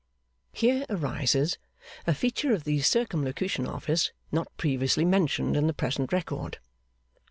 Here arises a feature of the Circumlocution Office, not previously mentioned in the present record.